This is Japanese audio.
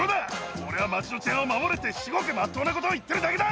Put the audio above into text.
俺は街の治安を守れって、至極まっとうなことを言ってるだけだ。